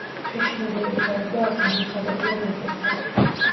შეშინებული თორღვა არ გამოცხადებულა მეფესთან.